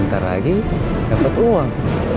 ntar lagi dapat uang